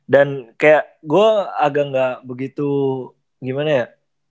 dan kayak gue agak gak begitu gimana ya